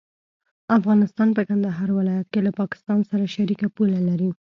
افغانستان په کندهار ولايت کې له پاکستان سره شریکه پوله لري.